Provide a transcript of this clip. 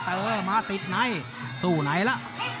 แต่เออมาติดไหนสู้ไหนละ